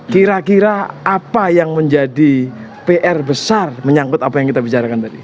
kira kira apa yang menjadi pr besar menyangkut apa yang kita bicarakan tadi